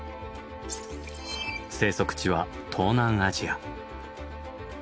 生息地は東南アジア。